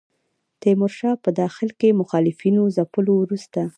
تیمورشاه په داخل کې مخالفینو ځپلو وروسته.